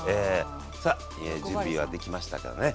さっ準備はできましたかね？